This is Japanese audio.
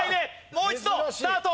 もう一度スタート。